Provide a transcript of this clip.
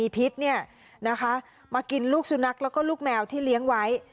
พิษมากินลูกสุนัขแล้วก็ลูกแมวที่เลี้ยงไว้